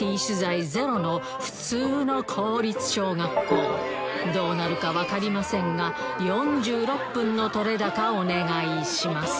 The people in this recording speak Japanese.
やって来たのはどうなるか分かりませんが４６分の撮れ高お願いします